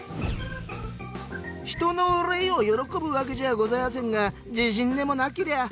「人の憂いを喜ぶわけじゃあございやせんが地震でもなけりゃあ